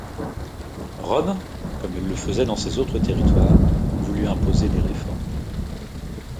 Rome, comme elle le faisait dans ses autres territoires, voulut imposer des réformes.